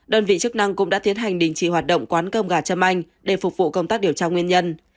đơn vị chức năng cũng đã tiến hành đình chỉ hoạt động quán cơm gà châm anh để phục vụ công tác điều tra nguyên nhân